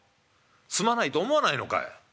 すまないと思わないのかい」。